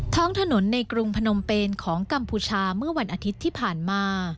ท้องถนนในกรุงพนมเปนของกัมพูชาเมื่อวันอาทิตย์ที่ผ่านมา